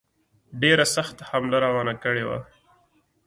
ډېره سخته حمله روانه کړې وه.